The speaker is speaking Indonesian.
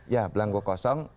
ya belangku kosong